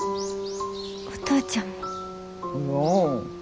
お父ちゃんも。